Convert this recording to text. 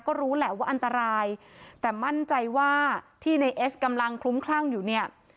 ก็รู้แหละว่าอันตรายแต่มั่นใจว่าที่ในเอสกำลังคลุ้มคลั่งอยู่เนี่ย